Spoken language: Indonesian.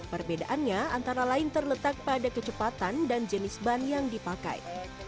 perbedaannya antara lain terletak pada kecepatan dan jenis ban yang dipakai